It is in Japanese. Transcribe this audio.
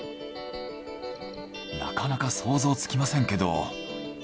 なかなか想像つきませんけど。